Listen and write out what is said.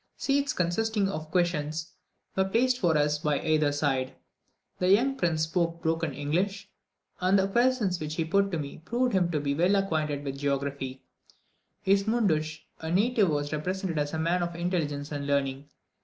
Seats, consisting of cushions, were placed for us by their side. The young prince spoke broken English, and the questions which he put to me proved him to be well acquainted with geography. His mundsch, {212a} a native, was represented as a man of intelligence and learning.